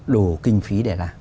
đổ kinh phí để làm